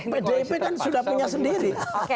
pdip kan sudah punya sendiri